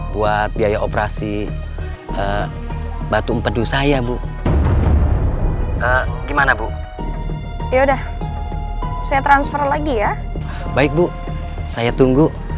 lihat biaya operasi batu empadu saya bu gimana bu ya udah saya transfer lagi ya baik bu saya tunggu